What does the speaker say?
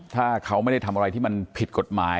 ถ้าเขาไม่ได้ทำอะไรที่มันผิดกฎหมาย